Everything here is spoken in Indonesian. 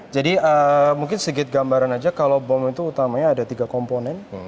jadi mungkin segit gambaran aja kalau bom itu utamanya ada tiga komponen